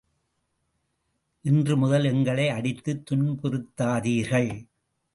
இன்று முதல் எங்களை அடித்துத் துன்புறுத்தாதீர்கள்.